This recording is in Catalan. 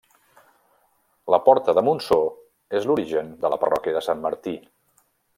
La porta de Montsó és l'origen de la Parròquia de Sant Martí.